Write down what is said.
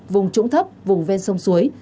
vùng trũng thấp vùng ven sông suối